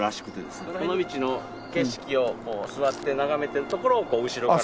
尾道の景色を座って眺めてるところを後ろから。